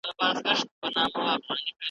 د کوچنیوالي له وخته د علم مینه ورسره وه